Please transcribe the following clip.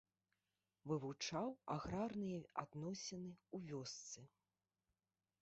Вывучаў аграрныя адносіны ў вёсцы.